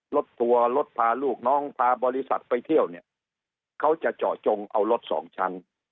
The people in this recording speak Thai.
รถทัวร์รถพาลูกน้องพาบริษัทไปเที่ยวเนี่ยเขาจะเจาะจงเอารถสองชั้น